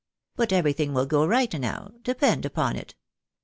But everything will go right now, depend upon it.